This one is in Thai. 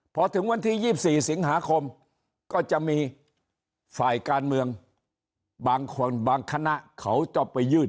พอถึงวันที่๒๔สิงหาคมก็จะมีฝ่ายการเมืองบางคนบางคณะเขาจะไปยื่น